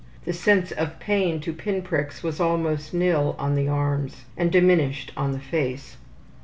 The sense of pain to pin pricks was almost nil on the arms, and diminished on the face.